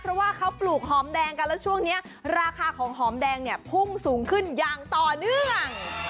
เพราะว่าเขาปลูกหอมแดงกันแล้วช่วงนี้ราคาของหอมแดงเนี่ยพุ่งสูงขึ้นอย่างต่อเนื่อง